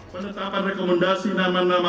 penetapan rekomendasi nama nama